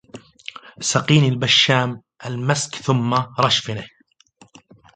سقين البشام المسك ثم رشفنه